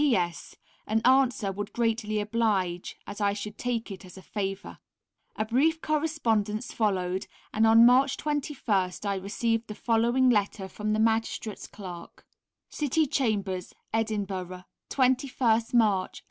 P.S. An answer would greatly oblige as I should take it as a favour. A brief correspondence followed, and on March 21st I received the following letter from the Magistrates' Clerk: City Chambers, Edinburgh, _21st March, 1884.